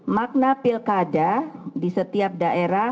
makna pilkada di setiap daerah